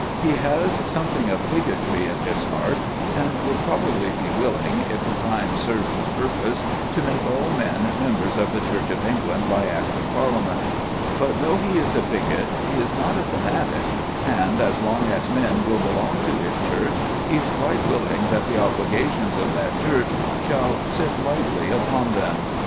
He has something of bigotry in his heart, and would probably be willing, if the times served his purpose, to make all men members of the Church of England by Act of Parliament; but though he is a bigot, he is not a fanatic, and as long as men will belong to his Church, he is quite willing that the obligations of that Church shall sit lightly upon them.